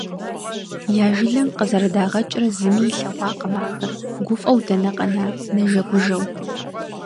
Я жылэм къызэрыдагъэкӀрэ зыми илъэгъуакъым ахэр, гуфӀэу дэнэ къэна, нэжэгужэу.